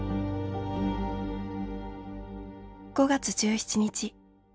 「５月１７日。